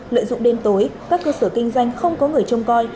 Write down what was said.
lợi dụng đêm tối các cơ sở kinh doanh không có người trông coi